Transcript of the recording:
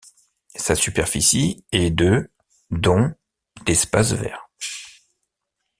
Sa superficie est de dont d'espaces verts.